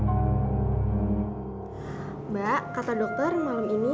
miss pris kata dokter malam ini